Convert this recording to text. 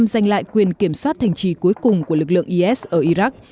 đã kiểm soát thành trì cuối cùng của lực lượng is ở iraq